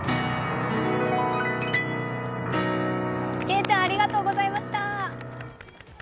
けいちゃん、ありがとうございました。